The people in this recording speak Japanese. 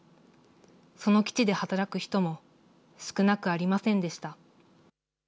その基地で働く人も少なくありませんでした。